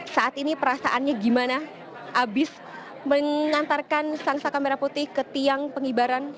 saat ini perasaannya gimana abis mengantarkan sang saka merah putih ke tiang pengibaran